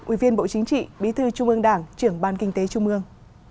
ủy viên bộ chính trị bí thư trung ương đảng trưởng ban kinh tế trung ương